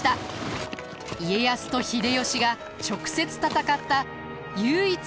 家康と秀吉が直接戦った唯一の大戦です。